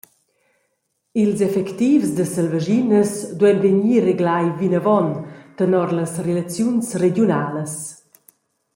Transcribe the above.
Ils effectivs da selvaschinas duein vegnir reglai vinavon tenor las relaziuns regiunalas.